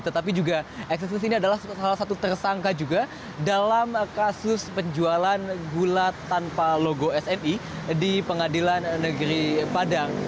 tetapi juga eksis ini adalah salah satu tersangka juga dalam kasus penjualan gula tanpa logo smi di pengadilan negeri padang